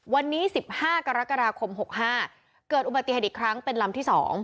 วันนี้๑๕กรกฎาคม๖๕เกิดอุบัติเหตุอีกครั้งเป็นลำที่๒